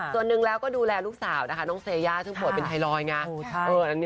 ส่วนหนึ่งแล้วก็ดูแลลูกสาวนะคะน้องเซยาช่างโบสถ์เป็นไฮรอยไง